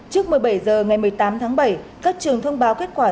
trước một mươi bảy h ngày một mươi tám tháng bảy các trường thông báo kết quả